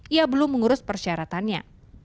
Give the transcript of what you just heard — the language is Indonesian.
ia belum mengurus persyaratannya